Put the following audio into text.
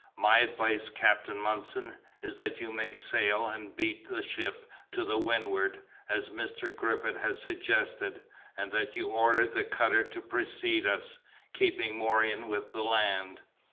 My advice, Captain Munson, is that you make sail, and beat the ship to windward, as Mr. Griffith has suggested, and that you order the cutter to precede us, keeping more in with the land."